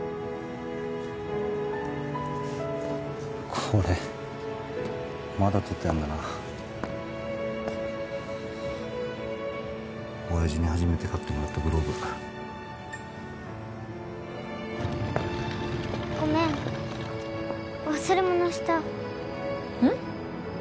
これまだとってあんだな親父に初めて買ってもらったグローブごめん忘れ物したうん？